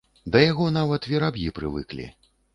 Да яго нават вераб'і прывыклі.